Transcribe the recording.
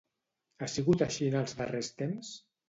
Ha sigut així en els darrers temps?